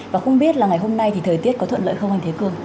và không biết là ngày hôm nay thì thời tiết có thuận lợi không anh thế cương